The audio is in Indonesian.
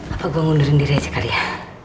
apa gue ngundurin diri aja kali ya